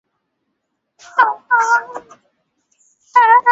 Tunamaliza saa tisa